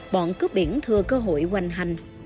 bọn cướp biển thừa cơ hội hoành hành